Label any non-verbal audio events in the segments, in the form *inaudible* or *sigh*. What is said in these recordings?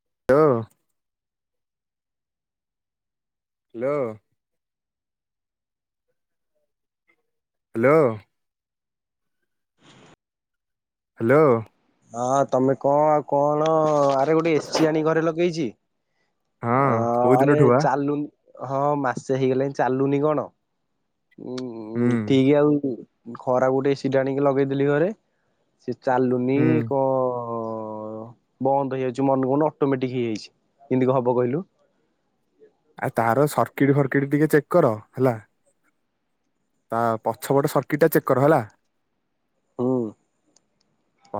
*unintelligible* Hello. Hello. Hello. ହଁ ତମେ କଣ ଆଉ କଣ ତାରେ ଗୋଟେ ଏସ୍ ସି ଆଣି ଘରେ ଲଗେଇଛି। ଅ ହଁ କୋଉ ଆରେ ଦିନଠୁ ବା ଚାଲୁଣି ହଁ ମାସେ ହେଇଗଲେଣି ଚାଲୁନି କଣ? ହୁଁ ହୁଁ ଠିକ ଆଉ। ଖରା ଗୋଟେ ଏ ସି ଆଣିକି ଲଗେଇଦେଲି ଘରେ। ଚାଲୁନି ହୁଁ କଣ? ଓ ବନ୍ଦ ହେଇଯାଉଛି ମନ କନ ଅଟୋମେଟିକ ହେଇଯାଇଛି ଏମିତି ହବ କହିଲୁ। କିଡି ଘର କିଡି ଟିକେ ଚେକ୍ କର ହେଲା। ତା ପଛପଟେ ସର୍କିଟ ଟା ଚେକ୍ କର ହେଲା। ହଁ।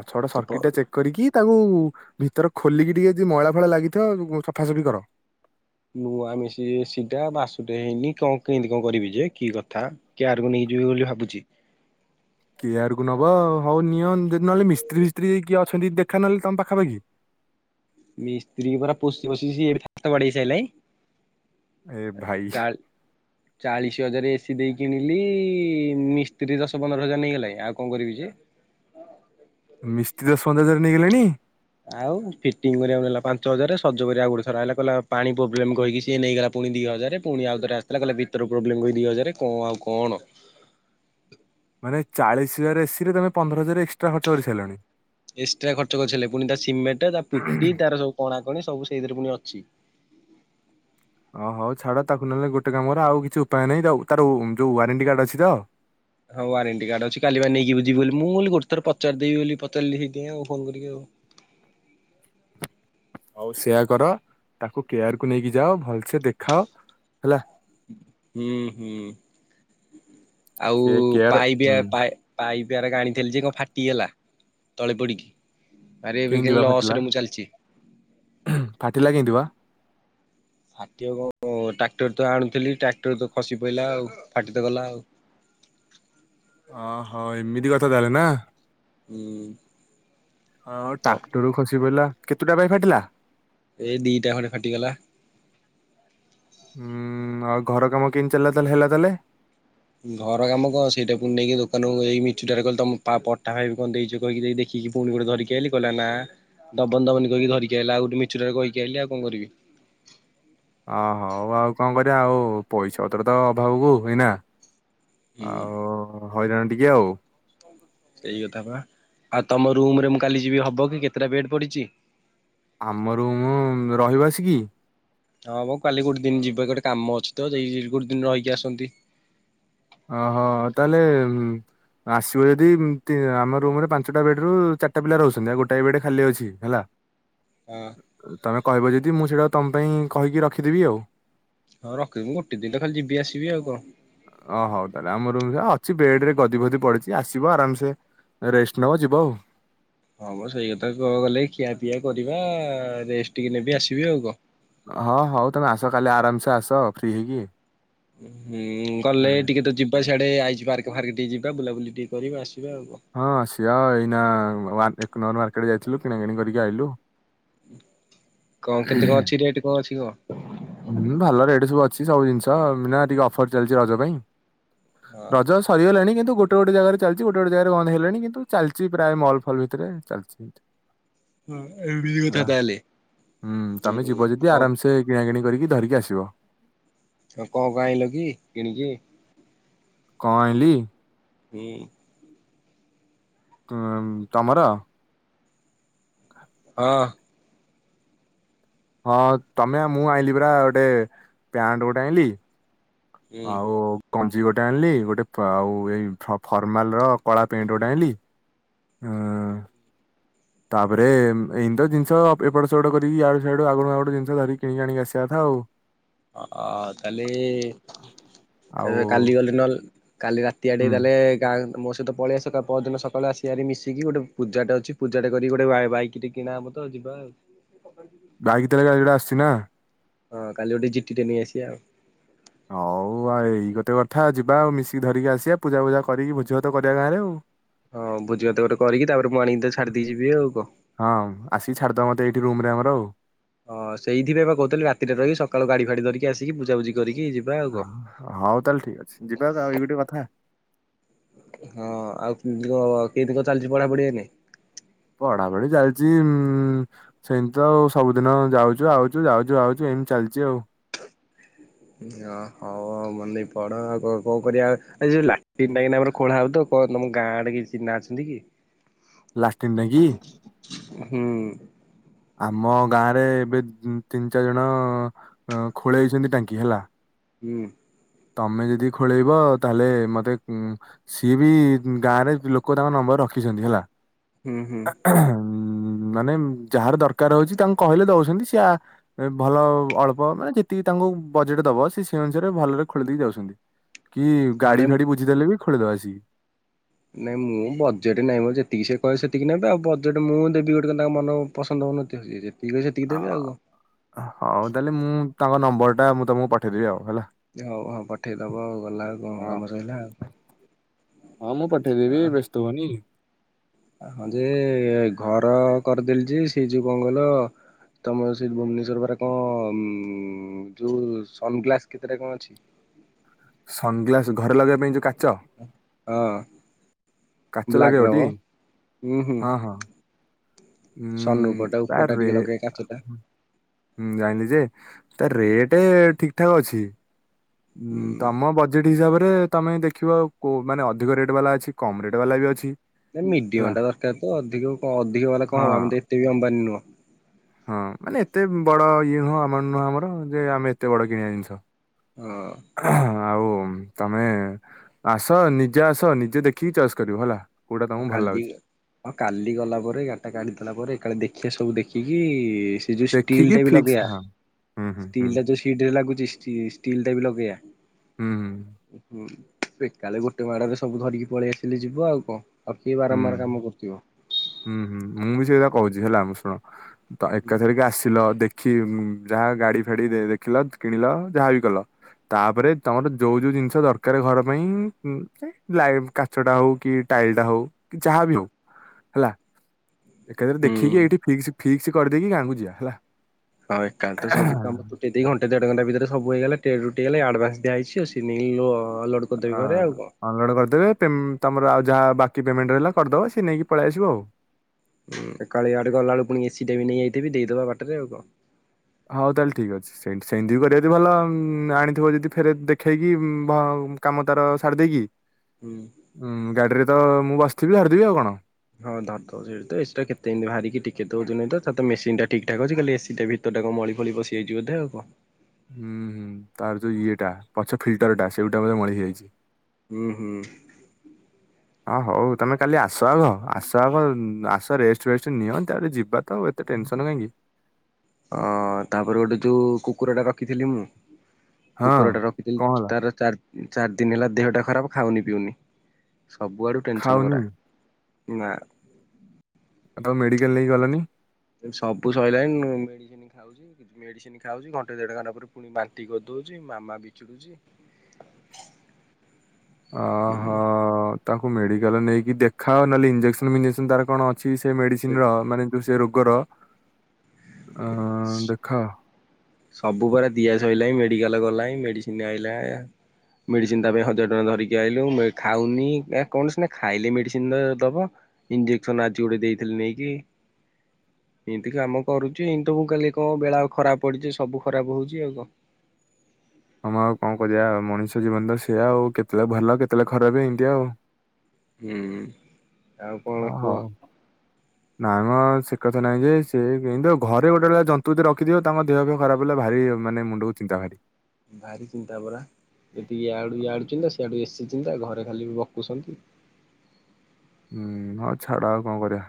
ଛଟ ସର୍କିଟ ଟା ଚେକ୍ କରିକି ତାଙ୍କୁ ଭିତର ଖୋଲିକି ଟିକେ ଯଦି ମଇଳା ଫଳା ଲାଗିଥିବ ସଫାସଫି କର। ନୂଆ ମିଶି ସିଟା ବାସୁଟେ ହେଇନି କଣ କେମିତି କଣ କରିବି ଯେ କି କଥା କୋରକୁ ନେଇଯିବି ବୋଲି ଭାବୁଛି। କିୟରକୁ ନବା ଆ ହଉ ନିଅ ନହେଲେ ମିସ୍ତ୍ରୀ ଫିସ୍ତ୍ରୀ ଯକଏ ଅଛନ୍ତି, ଦେଖା ନହେଲେ ତମ ପାଖାପାଖି ମିସ୍ତ୍ରୀ ପୁରରା ପଶି ବସିିଛି ଏବେ ତା ବା ସେଲାଇ ଏ ଭାଇ। ଚାଳିଶ ହଜାର ଏ ସିି ଦେଇ କିଣିଲି ମିସ୍ତ୍ରୀ ଦଶ ପନ୍ଦର ହଜାର ନେଇଗଲାଣି ଆଉ କଣ କରିବି ଯେ ମିସ୍ତିତ ଆଉ ଫିଟିଙ୍ଗ କରିବାକୁ ନେଲା ପାଞ୍ଚ ହଜାର। ସଜ କରିବା ଆ ଗୋ ସାରା ହେଲା କହିଲ ପାଣି ପ୍ରୋବ୍ଲେମ କହିକି ସିଏ ନେଇଗଲା ପୁଣି ଦି ହଜରେ ପୁଣି ଆଉ ଥରେ ଆସା କହିଲ ଭିତର ପ୍ରୋବ୍ଲେମ କହି ଦି ହଜ କଣ ଆଉ କଣ? ମାନେ ଚାଳିଶ ହଜାର ଏ ସି ରେ ତମେ ପନ୍ଦର ହଜାର ଏସଟ୍ରା ଖର୍ଚ କରି ସାରିଲାଣି। ଏକ୍ସଟ୍ରା ଖର୍ଚ୍ଚ କରିଲେ ପୁଣି ତା ସିମେଣ୍ଟ ତା ପୁଟି ତାର ସବୁ କଣାକଣି ସବୁ ସେଇଥିରେ ପୁଣି ଅ ପକ୍ଷୀ। ଓ ହଉ ଛାଡ ତାକୁ ନେଲେ ଗୋଟେ କାମର ଆଉ କିଛି ଉପାୟ ନାହିଁ ତାର ଯୋଉ ୱାରେଣ୍ଟି କାର୍ଡ ଅଛି ତ। ହଁ ୱାରେଣ୍ଟି କାର୍ଡ ଅଛି କାଲି ବା ନେଇକିୁ ଯିବି ବୋଲି ମୁଁ ବୋଲି ଗୋଟେ ଥର ପଚାରିଦବି ବୋଲି ପଚାରିଲି ସେଇ ଆଉ ଫୋନ କରିକି ଆଉ। ଆଉ ସେୟା କର ତାକୁ କେୟାରକୁୁ ନେଇକି ଯାଅ ଭଲସେ ଦେଖାଅ ହେଲା। ହୁଁ ହୁଁ। ଆଉ ସେ କେୟାର ପାଇ ବି ହୁଁ ପା ପାଇପିର ଆଣିଥିଲି ଯେ କଣ ଫାଟିଗଲା ତଳେ ପଡିକି। ଆରେ ଏବେ ଲସ ରେ ମୁଁ ଚାଲିଛି ଫାଟିଲ କେେଇଥ ବା ଫାଟିବା କଣ ଟ୍ରାକ୍ଟର ତ ଆଣୁଥିଲି ଟ୍ରାକ୍ଟର ତ ଖସି ପଡିଲଲା ଆଉ ଫାଟି ତ ଗଲା ଆଉ ଓହୋ ଏମିତି କଥା ତାହେଲେ ନା ହୁଁ ହଁ ତ ଟ୍ରାକ୍ଟରୁ ଖସି ପଡିଲା କେତେ ଟା ପାଇ ଫାଟିଲା ଏଇ ଦିଟା ଘରେ ଫାଟିଗଲା ଉଁ ଆଉ ଘର କାମ କିଣି ଚାଲିଲା ତାହଲେ ହେଲା ତାହେଲେ ଘର କାମ କଣ ସେଇଟା ପୁଣି ନେଇକି ଦୋକାନକୁ ମିଛୁଟାରେ କହ ତମ ପା ପଠା ଖାଇବି କଣ ଦେଇଛ କହିକି ଦେଇ ଦେଖିକି ପୁଣି ଗୋଟେ ଧରିକି ଆଇଲି କିଲ ନା ଦମନ ଦମନ କହିକି ଧରିକି ଆଇଲା ଆଉ ଗୋଟେ ମିଛୁଟାରେ କହିକି ଆଇିଲି ଆଉ କଣ କରିବି ଅହଉ ଆଉ କଣ କରିବା ଆଉ ପଇସା ପତ୍ର ତ ଅଭାବକୁ ହେଇନା ହୁଁ ଆଉ ହଇରାଣ ଟ ଯାଉ ସେଇ କଥା ବା ଆଉ ତମ ରୁମରେ ମୁଁ କାଲି ଯିବି ହବ କି କେତେଟା ବେଡ ପଡିଛି ଆମର ମୁଁ ରହିବସ କି ହଁ ବାଉ କାଲି ଗୋଟେ ଦିନ ଯିବା ଗୋଟେ କାମ ଅଛି ତ ଯ ଗୋଟେ ଦିନ ରହିକି ଆସନ୍ତି ଓହୋ ତାହେଲେ ଆସିବ ଯଦି ଆମ ରୁମରେ ପାଞ୍ଚଟା ବେଡ ରୁ ଚାରିଟା ପିଲା ରହୁଛନ୍ତି ଆଉ ଗୋଟାଏ ବେଡ ଖାଲି ଅଛି ହେଲା ହଁ ତମେ କହିବ ଯଦି ମୁଁ ସେଇଟା ତମ ପାଇଁ କହିକି ରଖିଦେବି ଆଉ ହଁ ରଖଦିନି ଗୋଟେ ଦିନ ତା ଖାଲି ଯିବି ଆସିବି ଆଉ କଣ ଓ ହଉ ତାହେଲେ ଆମ ରୁମ ଅଛି ବେଡ ରେ ଗଦି ଫଦି ପଡିଛି ଆସିବ ଆରାମସେ ରେଷ୍ଟ ନବ ଯିବ ଆଉ ହଁବ ସେଇ କଥା କ ଗଲେ ଖିଆ ପିଆ କରିବା ରେଷ୍ଟ ଟିକ ନେବି ଆସିବି ଆଉ କହ ହଁ ହଉ ତମେ ଆସ କାଲି ଆରାମସେ ଆସ ଫ୍ରି ହେଇକି ହୁଁ ଗଲେ ଟିକେ ତ ଯିବା ସିଆଡେ ଗୋେ ଆଇ ପାର୍କ ଫାର୍କ ଟିକେ ଯିବା ବୁଲାୁଲି ଟିକେ କରିବା ଆସ ହଁ ଶିଆ ଏଇନା କ ମାର୍କେଟ ଯାଇଥିଲୁ କିଣା କିିଣି କରିକି ଆଇଲୁ। କଣ କେତେ କଣ ଅଛି ରେଟ୍ କଣ ଅଛି କଣ? ହୁଁ ଭଲ ରେଟ ସବୁ ଅଛି ସବୁ ଜିନିଷ ନା ଟିକେ ଅଫର ଚାଲିଛି ରଜ ପାଇଁ ହଁ। ରଜ ସରିଗଲେଣି କିନ୍ତୁ ଗୋଟେ ଗୋଟେ ଜାଗାରେ ଚାଲିଛି ଗୋଟେ ଗୋଟେ ଜାଗାରେ ବନ୍ଦ ହେଲେଣି କିନ୍ତୁ ଚାଲିଛି ପ୍ରାୟ ମଲ ଫଲ ଭିତରେ ଚାଲିଛିତି। ହ ଏ କଥା ତାହଲେ ହ *unintelligible* ି *unintelligible* ଧରିକି ଆସିବ ହଉ କଣ କ ଆଲ କି କିଣିକି? କଣ ଆଇିଲି? ହୁଁ ଉ ତମର? ହଁ ହଁ ତମେ ମୁଁ ଆଣିଲି ପୁରରା ଗୋଟେ ପ୍ୟାଣ୍ଟ ଗୋଟେ ଆଣିଲି, ହୁଁ। ଆଉ, ଗଞ୍ଜି ଗୋଟେ ଆଣିଲି, ଗୋଟେ ଆଉ ଏଇ ଫର୍ମାଲ ର କଳା ପେଣ୍ଟ ଗୋଟେ ଆଣିଲି ଉଁ। ତାପରେ ଏମିତ ତ ଜିନିଷ ଅ ଏପଟ ସେପଟ କରିକି ଇଆଡୁ ସିଆଡୁ ଆଗୁଡ ମାଗୁଡ଼ୁ ଜିନିଷ ଧରିକି କିଣିକି ଆଣିକି ଆସିବା କଥା ଆଉ। ଅ କାଲି ଆଉ ଏ କାଲିଗଲେ ନହେଲେ। କାଲି ରାତି ଆଡ଼ିକି ହୁଁ ଗଲେ ଗାଁ ମୋ ସହିତ ପଳେଇ ଆଶିବ ପରଦିନ ସକାଳେ ଆସିବା ହାରି ମିଶିକି ଗୋଟେ ପୂଜାଟେ ଅଛି ପୂଜାଟେ କରିକି ଗୋଟେ ବାଇକ ଟେ କିଣା ହବ ତ ଯିବା ଆଉ। ବାଇିିକ ତା ହେଲେ କାଲି ଗୋଟେ ଆସିୁଛି ନା। ହଁ କାଲି ଗୋଟେ ଜିଟି ଟେ ନେଇ ଆସିବା ଆଉ। ହଉ ଆଉ ଏଇ ଗୋଟେ କଥା ଯିବା ଆଉ ମିଶିକି ଧରିକି ଆସିବା ପୂଜା ଫୂଜା କରିକି ଭୋଜି ଭାତ କରିବା ଗାଁ ରେ ଆଉ। ହଁ ଭୋଜିଭାତ ଗୋଟେ କରିକି ତାପରେ ମୁଁ ଆଣିକି ତତେ ଛାଡି ଦେଇେକି ଯିବି ଆଉ କ। ଟି ରୁମ ରେ ଆମର ଆଉ। ହଁ ସେଇଥିି ପାଇଁ ବା କହୁଥିଲି ରାତିରେ ରହିି କି ସକାଳୁ ଗାଡି ଫାଡି ଧିରିକି ଆସିକି ପୁଜା ପୂଜି। କରିକି ଯିବା ଆଉ କନ। ହଁ, ହଉ ତାହେଲେ ଠିକ ଅଛି ଯିବା ଆଉ ଏଇ ଗୋଟେ କଥା। ହଁ ଆଉ କେମତି କନ। ଚଲଛି ପଢ଼ା ପଢି ଏଇନେ। ପଢାପଢି ଚାଲିଛି ସେମିତି ତ ଆଉ ସବୁଦିନ ଯାଉଛୁ ଆଉଛୁ ଯାଉଛୁ ଆଉଛୁ ଏମିତି ଚାଲିଛି ଆଉ। ଓ ହଉ ମନେ ଦେଇ ପଢ଼ ଆଉ କଣ କରିବା ଏଇ ଯୋଉ ଲାଟିନ୍ ଟାଙ୍କି ଟା ଆମର ଖୋଳା ହଉଛି ତ କଣ ତମ ଗାଁ ଆଡେ କେହି ଚିହ୍ନା ଅଛନ୍ତି କି? ଲାଟିନ ଟାଙ୍କୀ। ହୁଁ। ଆମ ଗାଁ ରେ ଏବେ ତିନି ଚାରି ଜଣ ଖୋଳେଇଛନ୍ତି ଟାଙ୍କି ହେଲା। ହୁଁ। ତମେ ଯଦି ଖୋଳେଇବ ତାହେଲେ ମତେ ସିଏ ବି ଗାଁ ରେ ଲୋକ ତାଙ୍କ ନମ୍ବର ରଖିଛନ୍ତି ହେଲା। ହୁଁ ହୁଁ ହୁଁ। ମାନେ ମ। ଯାହାର ଦରକାର ହଉଛି ତାଙ୍କୁ କହିଲେ ଦଉଛନ୍ତି, ସିଏ ଭଲ ଅଳ୍ପ ମାନେ ଯେତିକି ତାଙ୍କୁ ବଜେଟ ଦବ ସେ ସେ ଅନୁସାରେ ଭଲରେ ଖୋଳି ଦେଇକି ଯାଉଛନ୍ତି। କି ହଁ ଗାଡି ନାଇଁ ଫାଡି ବୁଝିଦେଲେ ବି। ଖୋଳି ଦବ ଆସିକି। ନାଇଁ ମୁଁ ବଜେଟ ନହିଁ ମ, ଯେତିକି ସେ କହିବେ ସେତିକି ନେବେ ଆଉ ବଜେଟ ମୁଁ ଦେବି ଗୋଟେ ତାଙ୍କ ମନ ପସନ୍ଦ ହଉନଥିବ। କହିବେ ସେତିକି ଅ, ଦେବି ଆଉ କଣ। ହଉ ତାହେଲେ ମୁଁ। ତାଙ୍କ ନମ୍ବର ଟା ମୁଁ ତମକୁ ପଠେଇଦବି ଆଉ। ହେଲା। ହଉ ହଉ ପଠେଇଦବ ଆଉ ଗଲା କଣ ହଁ କାମ ସହିଲା ଆଉ, ହଁ ମୁଁ ପଠେଇଦେବି ଆଉ। ବ୍ୟସ୍ତ ହୁଅନି। ହଁ ଯେ ଘର କରିଦେଲି ଯେ ସେ ଯୋଉ କଣ କହିଲ, ତମ ସେ ଭୁବନେଶ୍ଵର ବା କଣ ଯୋଉ ସନଗ୍ଲାସ କେତେଟା କଣ ଅଛି। ସନଗ୍ଲାସ ଘରେ ଲଗେଇବା ପାଇଁ ଯୋଉ କା ହଁ। କାଚ ବ୍ଲାକ୍ ର ମ ଲଗେଇବଟି, ହୁଁ ହୁଁ। ହଁ ହଁ। ହୁଁ ସନରୁଫ ଟା ତା ଉପର ଟା ଟିକେ ରେଁ ଲଗେଇବା କାଚଟା ହୁଁ ଜାଣିଲି ଯେ। ତା ରେଟ୍ ଠିକ ଠାକ୍ ଅଛି। ହଁ ଉଁ। ତମ ବଜେଟ୍ ହିସାବରେ। ତମେ ଦେଖିବ କୋ ମାନେ ଅଧିକ ରେଟ୍ ବାଲା ବି ଅଛି କମ ରେଟ୍ ବାଲା ବି ଅଛି। ହେଲା ମିଡିୟମ ଟା ଦରକାର ତ ଅଧିକ ଅଧିକ ବାଲା କଣ ହଁ ହବ ଆମେ ତ ଏତେ ବି ଅମ୍ବାନୀ ନୁହଁ। ହଁ ମାନେ ଏତେ ବଡ ଇଏ ନୁହଁ ଆକାଉଣ୍ଟ ନୁହଁ ଆମର ଯେ ଆମେ ଏତେ ବଡ କିଣିବା ଜିନିଷ। ହଁ। ଆଉ ତମେ, ଆସ ନିଜେ ଆସ ନିଜେ ଦେଖିକି ଚଏସ କରିବ ହେଲା। କୋଉଟା ହ ତମକୁ ଭଲ କାଲି, ଲାଗୁଛି ହ କାଲି ଗଲା ପରେ ଗାଡିଟା କାଢିଦେଲା ପରେ, ଏକାେ ଦେଖିବା ସବୁ ଦେଖିବା କିଏ କି? ସେ ଯୋଉ ଷ୍ଟିଲ୍ ଦେଖିକି ଟା ବି ଫିକ୍ସ ଲଗେଇବା ହଁ। ହୁଁ ହୁଁ ହୁଁ ଷ୍ଟିଲ୍ ଟା ଯୋଉ ସିଡ ରେ ଲାଗୁଛି ଷ୍ଟିଲ୍ ଟା ବି ଲଗେଇବା। ହୁଁ ହଁ ସେ କାଳେ ଗୋଟେ ମାଡରେ ସବୁ ଧରିକି ପଳେଇ ଆସିଲେ ଯିବ ଆଉ କଣ। ଆଉ କିଏ ହୁଁ, ବାରମ୍ବାର କାମ କରୁଥିବ। ହୁଁ ହୁଁ ମୁଁ ବି ସେଇଟା କହୁଛି। ଝ ହେଲା ମୁମ ଶୁଣ ତ ଏକାଥରିକ ଆସିଲ ଦେଖ କି, ଯାହା ଗାଡ଼ି ଫାଡ଼ି ଦେଖିଲ କିଣିଲ ଯାହାବି କଲ, ତାପରେ ତମର ଯୋଉ ଯୋଉ ଜିନିଷ ଦରକାର ଘର ପାଇଁ କାଚଟା ହଉ କି ଟାଇଲଟା ହଉ। କି ଯହା ବି ହଉ ହେଲା। ଏକାଥରେ ହୁଁ। ଦେଖିକି ଏଇଠି ଫିକ୍ସ୍। ଫିକ୍ସ କରିଦେଇକି ଗାଁକୁ ଯିବା ହେଲା। ହଁ ଏକା ତ ସବୁ କାମ ତୁଟି ଦେଇ ଘଣ୍ଟେ ଦେଢ ଘଣ୍ଟା ଭିତରେ ସବୁ ହେଇଗଲା। ଟେ ରୁଟିେ ଗଲେ ଆଡଭାସ ଦିଆଯଇଛିଉ ସେ ନେଇୁ ଅ ଅନଲୋଡ କରିଦେବେ ପେମ ତମର ଆଉ ଯାହା ବାକି ପେମେଣ୍ଟ ରହିଲା କରିଦବା ସେ ନେଇକି ପଳେଇ ଆସିବ ଆଉ ହଁ ଏକ କାଳିଆଡେ ଗଲା ବଳୁ ପୁଣି ଏସି ଟେ ବି ନେଇଯାଇଥିବି ଦେଇଦବା ବାଟରେ ଆଉ କଣ ହଉ ତାହେଲେ ଠିକ ଅଛି ସେ ସେମତି ବି କରିବା ଭଲ ଆଣିଥିବ ଯଦି ଫେରେ ଦେଖେଇକି କାମ ତାର ସାରି ଦେଇକି ହୁଁ। ହୁଁ ଗାଡିରେ ତ ମୁଁ ବାସିଥିବି ଝାଡିଦେବି ଆଉ କଣ ହଁ ଧରଦଉ ସେଠି ଏସିଟା କେତେମିତି ବାହାରିକି ଟିକେ ତ ଓଜନ ହେଇଥିବ ତାର ତ ମେସିନ ଟା ଠିକ ଠାକ ଅଛି ଖାଲି ଏସି ଟା ଭିତର ଟା କଣ ମଳି ଫଳି ପସି ଯାଇଛି ବୋଧେ କଣ ହୁଁ ହୁଁ ତାର ଯୋଉ ଇଏଟା ପଛ ଫିଲ୍ଟର ଟା ସେଇଗୁଟା ବି ମଳି ହେଇଯାଇଛି ହୁଁ ହୁଁ ହଁ ହଉ ତମେ କାଲି ଆସ ଆଗ ଆସ ଆସ ରେଷ୍ଟ ଫେଷ୍ଟ ନିଅ ତାପରେ ଯିବା ତ ଆଉ ଏତେ ଟେନସନ କାହିଁକି ଅ ତାପରେ ଗୋଟେ ଯୋଉ କୁକୁର ଟା ରଖିଥିଲଥିଲି ମୁଁ ହଁ କୁକୁର ଟା କଣ ରଖିଥିଲି ହେଲା ତାର ଚାର ଚାରି ଦିନ ହେଲା ଦେହଟା ଖରାପ ଖାଉନି ପିଉନି ସବୁଆଡୁ ଟେନସନ ଖାଉନି ପରା ନା। ଆଉ ତାକୁ ମେଡିକାଲ ନେଇକି ଗଲନି। ସବୁ ସଇଲାଣି ମୁଁ ମେଡିସିନ ଖାଉଚି ମେଡିସିନି ଖାଉଚି ଘଣ୍ଟେ ଦେଢ ଘଣ୍ଟା ପରେ ପୁଣି ବାନ୍ତି କରିଦୋଉଚି ମାମା ବି ଚିଡୁଚି। ଅହ ତାଙ୍କୁ ମେଡିକାଲ ନେଇକି ଦେଖାଅ ନହଲେ ଇଞ୍ଜେକସନ ମିଞ୍ଜେକ୍ସନ ତାଙ୍କର କଣ ଅ ସେ ମେଡିସିନର ମାନେ ଯୋଉ ସେ ରୋ ଗୋର ଆଁ ଦେଖ ସବୁ ପରା ଦିଆ ସଇଲାଣି ମେଡିକାଲ ଗଲାଣି ମେଡିସିନ ଆଇଲା ମେଡିସିନ ତା ପାଇଁ ହଜାର ଟଙ୍କା ଧରିକି ଆଇଲୁ ଖାଉନି ନା କଣ ସିନା ଖାଇଲେ ମେଡିସିନ ନା ଦବ ଇଞ୍ଜେକ୍ସନ ଆଜି ଗୋଟେ ଦେଇଥିଲି ନେଇକି ଏମତି କାମ କରୁଚି ଏମତି ତ ମୁଁ କହିଲି କଣ ବେଳା ଆଉ ଖରାପ ପଡିଚି ସେ ସବୁ ଖରାପ ହୋଉଚି ଆଉ କଣ। ହଁମ ଆଉ କଣ କରିବା ମଣିଷ ଜୀବନ ତ ସେଇଆ ଆଉ କେତେବେଳେ ଭଲ କେତେବେଳେ ଖରାପ ଏମତିଆ ଆଉ। ହୁଁ। ଆଉ କଣ ହଁ କୁହ। ହଉ ନାଇଁ ମ ଆଉ ସେ କଥା ନାଇଁ ଯେ ସେ କେମତିଆ ଘରେ ଗୋଟା ଲେଖା ଜନ୍ତୁ ଯଦି ରଖିଥିିବ ତାଙ୍କ ଦେହ ଫେହ ଖରାପ ହେଲେ ଭାରି ମାନେ ମୁଣ୍ଡକୁ ଚିନ୍ତା ଘାରେ। ଭାରି ଚିନ୍ତା ପରା ଯେତିକି ୟାଡୁ ୟାଡୁ ଚିନ୍ତା ସେଆଡୁ ବେଶୀ ଚିନ୍ତା ଘରେ ଖାଲି ବକୁଛନ୍ତି। ହୁଁ ହଁ ଛାଡ ଆଉ କଣ କରିବା।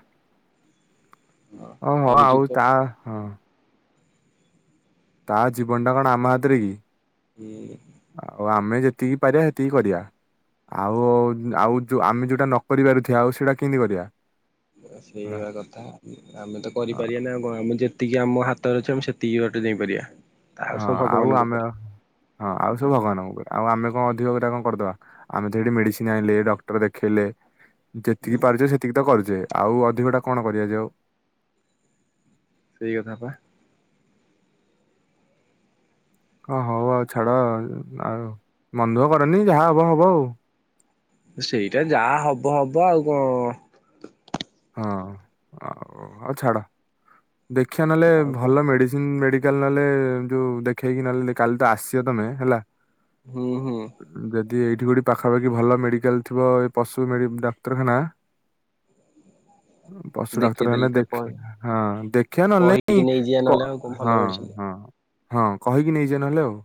ଓ ହଁ ଆଉ ତା ହଁ। ତା ଜୀବନଟା କଣ ଆମ ହାତରେ କି। ହୁଁ। ତିକି ପାରିବା ସେତିକି କରିବା ଆଉ ଆଉ ଯୋଉ ଆମେ ଯୋଉଟା ନ କରିପାରୁଥିବା ଆଉ ସେଇଟା କେମିତି କରିବା। ହେଲା। ସେଇଆ କଥା ଆମେ ତ କରିପାରିବାନେଇ ଆଉ କଣ ଆମେ ଯେତିକି ଆମ ହାତରେ ଅଛି ଆମେ ସେ ତିକି ବାଟ ଯାଇପାରିବା। ଆଉ ହଁ ସବୁ ଆଉ ଭଗବାନଙ୍କ ଆମେ ଉପରେ ହଁ ଆଉ ସବୁ ଭଗବାନଙ୍କ ଉପରେ ଆଉ ଆମେ କଣ ଅଧିକ ଗୋଟା କଣ କରିଦବା ଆମେ ତ ଏଇଠି ମେଡିସିନ ଆଇଁଲେ ଡକ୍ଟର ଦେଖେଇଲେ। ଯେତିକି ପାରୁଚେ ସେତିକି ତ କରୁ ଯେ ଆଉ ଅଧିକଟା କଣ କରିବା ଯେ ଆଉ। ସେଇ କଥା ପା। ହଁ ହୋଉ ଆଉ ଛାଡ ଆଉ ମନ ଦୁଃଖ କରନି ଯାହା ହବ ହବ ଆଉ। ସେଇଟା ଯାହା ହବ ହବ ଆଉ କଣ ହଁ ଆଉ ହୋଉ ଛାଡ। ଦେଖିଆ ନହେଲେ ଆଉ କଣ ଭଲ ମେଡିସିନ ମେଡି ମେଡିକାଲ ନହେଲେ ଯୋଉ ଦେଖେଇକି ନହଲେ କାଲି ତ ଆସିବ ତମେ ହେଲା ହୁଁ ହୁଁ ଉଁ ଯ ଯେ ଏଇଠି କୋଉଠି ପାଖାପାଖି ଭଲ ମେଡିକାଲ ଥିବ ଏ ପଶୁ ମେଡି ଡାକ୍ତରଖାନା ପଶୁ ଡାକ୍ତରଖାନା ଦେଖେଇଦେଲେ ତ ଦେଖ କହି ହଁ ଦେଖିଆ ନହେଲେ କହିକି ନାଇଁ ନେଇଯିବା କଁ ନହେଲେ ଆଉ କଣ ଭଲ ହଁ ମେଡିସିନ ହଁ। ହଁ କହିକି ନେଇଜା ନହେଲେ ଆଉ।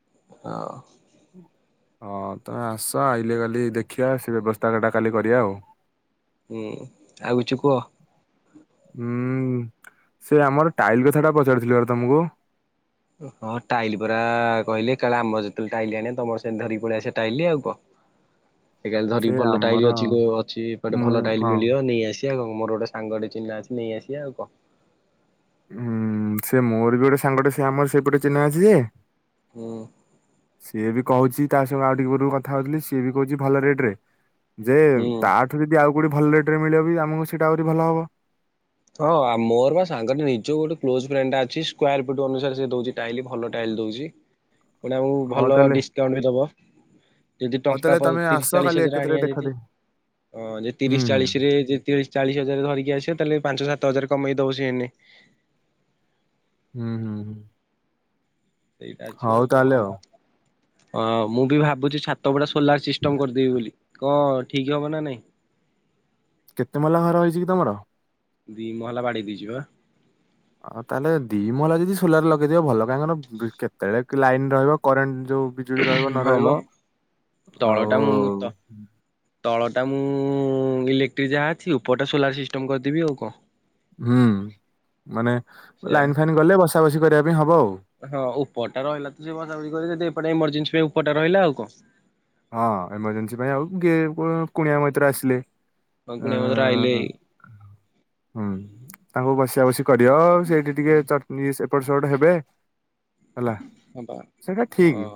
*unintelligible* ହଁ ତମେ ଆସ ଆଇଲେ କାଲି ଦେଖିବା ସେ ବ୍ୟବସ୍ଥାଟା କାଲି କରିବା ଆଉ। ହୁଁ ଆଉ କିଛି କୁହ? ହୁଁ ସେ ଆମର ଟାଇଲ କଥା ଟା ପଚାରୁିଥିଲି ପରା ତମକୁ ହଁ ଟାଇଲ ପରା କହିଲି କାଳେ ଆମର ଯେତେବେଳେ ଟାଇଲି ଆଣିଆ ତମର ସେମିତି ଧରିକି ପଳେଇଆସିବା ଟାଇଲି ଆଉ କଣ। ସେ କାଲି ଧରିକି ଭଲ ଟାଇଲ ଅଛି। ଅଛି କୁଆଡ଼େ ମୁଁ ଭଲ ଟାଇଲ ହଁ ମିଳିବ ନେଇଆସି ଦେଖିଆ ଆଉ ମୋର ଗୋଟେ ସାଙ୍ଗ ଗୋଟେ ଚିହ୍ନା ଅଛି ନେଇ ଆସିବା ଆଉ କଣ। ହୁଁ ସେ ମୋର ବି ଗୋଟେ ସାଙ୍ଗଟେ ସେ ଆମ ସେପଟେ ଚିହ୍ନା ଅଛି ଯେ ହୁଁ। ସିଏ ବି କହୁଛି ତା ସାଙ୍ଗେ ଆଉ ଟିକେ ପୂର୍ବରୁ କଥା ହଉଥିଲି, ସିଏ ବି କହୁଛି ଭଲ ରେଟରେ। ଯେ ହୁଁ। ତାଠୁ ଯଦି ଆଉ କୋଉଠି ଭଲ ରେଟରେ ମିଳିବ ବି ଆମକୁ ସେଇଟା ଆହୁରି ଭଲ ହବ। ହଁ ଆ ମୋର ବା ସାଙ୍ଗଟେ ନିଜ ଗୋଟେ କ୍ଲୋଜ ଫ୍ରେଣ୍ଡଟା ଅଛି ସ୍କୋୟାର ଫୁଟ୍ ଅନୁସାରେ ସେ ଦଉଛି ଟାଇଲ ଭଲ ଟାଇଲ ଦଉଛି। ପୁଣି ଆମକୁ ହଉ ଭଲ ତାହେଲେ ଡିସ୍କାଉଣ୍ଟ ବି ଦେବ। ଯଦି ହଉ ଟଙ୍କା ତାହେଲେ ପ ତମେ ଆସ ତିରିଶ ଚାଳିଶ କାଲି ହଜାର ଏକାଥରେ ଆଣିବାହାରି ଦେଖା ଯଦି ଦେଖି ଅଁ ଯେ ହୁଁ ତିରିଶ ହୁଁ ଚାଳିଶ ରେ ତିରିଶ ଚାଳିଶ ହଜାର ଧରିକି ଆସିବା ତାହେଲେ ସାତ ହଜାର କମେଇ ଦବ ସିଏ ଏଇନେ। ହୁଁ ହୁଁ ହୁଁ। ସେଇଟା ଅଛି ହଉ ଆଉ କଣ ତାହେଲେ ଆମର ହଁ ମୁଁ ବି ଭାବୁଛି ଛାତ ଗୁଡା ସୋଲାର ସିଷ୍ଟମ କରିଦେବି ବୋଲି। କଣ ଠିକ ହବ ନା ନାଇଁ? କେତେ ମହଲା ଘର ହେଇଛି କି ତମର? ଦି ମହଲା ବାଡେଇ ଦେଇଛି ବା। ଆଉ ତାହେଲେ ଦି ମହଲା ଯଦି ସୋଲାର ଲଗେଇଦବ ଭଲ। କାହିଁକି ନା କେତେବେଳେ ଲାଇନ ରହିବ କରେଣ୍ଟ ଯୋଉ ବିଜୁଳି ରହିବ ନ ହଁ ମ ରହିବ ତଳଟା ଆଉ ମୁଁ ମୁଁ ତ ତଳଟା ମୁଁ ଇଲେକ୍ଟ୍ରିକ ଯାହା ଅଛି ଉପରଟା ସୋଲାର ସିଷ୍ଟମ କରିଦେବି ଆଉ କଣ। ହୁଁ। ମାନେ ସେୟା ଲାଇନ୍ ଫାଇନ୍ ଗଲେ ବସ ବସା ବାସି କରିବା ପାଇଁ ହବ ଆଉ। ହଁ ଉପର ଟା ରହିଲା ତ ଯିଏ ବସାବସି କରବ, ଯଦି ଏପଟେ ଏମର୍ଜେସି ପାଇଁ ପଟେ ରହିଲା ଆଉ କଣ। ହଁ ଏମର୍ଜେସି ପାଇଁ ଆଉ ଗେ କୋଉ କୁଣିଆ ମୈତ୍ର ଆସିଲେ ତମ ଅଁ କୁଣିଆ ମୈତ୍ର ଆଇଲେ ହୁଁ ତାଙ୍କୁ ବସିବା ବସି କରିବ ଆଉ ସେଇଠି ଟିକେ ଚଟ ସେ ଏପଟ ସେପଟ ହେବେ। ହେଲା ହବା ସେଇଟା ଠିକ୍। ହଁ।